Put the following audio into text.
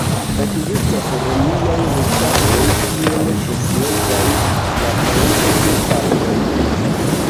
Ekzistas romiaj restaĵoj kiel ŝoseo kaj la ponto de Allende.